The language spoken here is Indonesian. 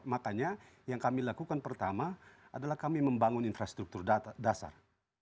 makanya yang kami lakukan pertama adalah kami membangun infrastruktur dasar